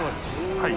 はい。